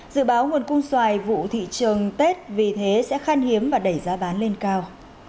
dự báo nguồn cung xoài vụ thị trường tết vì thế sẽ khan hiếm và đẩy giá bán lên cao